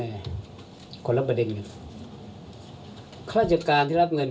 เป็นคนรับบัญดิเนินคราจริย์กรรมที่รับเงิน